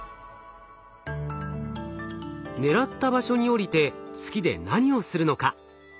狙った場所に降りて月で何をするのか？